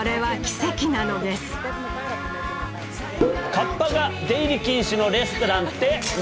カッパが出入り禁止のレストランって何？